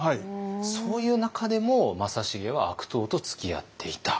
そういう中でも正成は悪党とつきあっていた。